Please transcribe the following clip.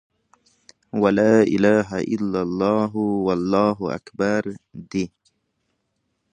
وَلَا إِلَهَ إلَّا اللهُ، وَاللهُ أكْبَرُ دي .